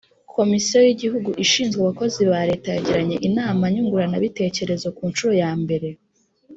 Komisiyo y Igihugu ishinzwe Abakozi ba Leta yagiranye inama nyunguranabiterekerezo ku nshuro yambere